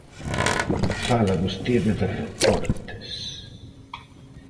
Fala vostede de recortes.